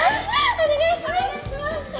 お願いします。